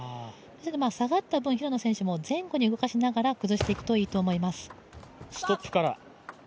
下がった分、平野選手も前後に動かしながら崩していくといいと思います。